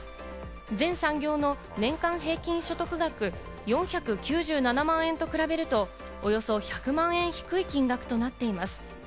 全産業の年間平均所得額４９７万円と比べると、およそ１００万円低い金額となっています。